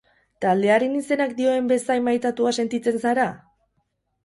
Taldearen izenak dioen bezain maitatua sentitzen zara?